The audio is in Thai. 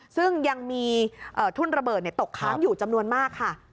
ซึ่งยังมีทุ่นระเบิดตกค้างอยู่จำนวนมากค่ะ